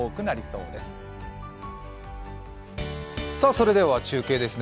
それでは中継ですね。